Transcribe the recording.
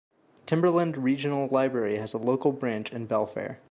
Timberland Regional Library has a local branch in Belfair.